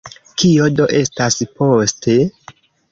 Kio do estas poste?